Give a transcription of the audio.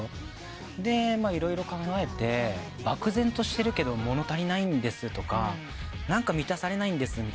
で色々考えて漠然としてるけど物足りないんですとか何か満たされないんですみたいな感情。